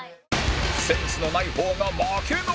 センスのない方が負け残り